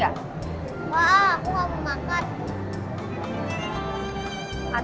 wah aku mau makan